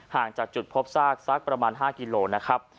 ห่างจากจุดพบซากสักประมาณ๕กิโลนะครับ